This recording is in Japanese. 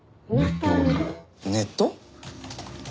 ネット？